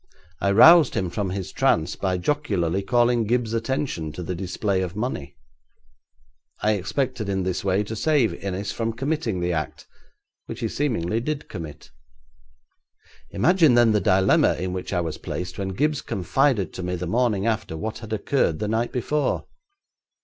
I roused him from his trance by jocularly calling Gibbes's attention to the display of money. I expected in this way to save Innis from committing the act which he seemingly did commit. Imagine then the dilemma in which I was placed when Gibbes confided to me the morning after what had occurred the night before.